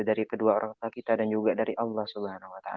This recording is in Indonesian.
dari kedua orang tua kita dan juga dari allah swt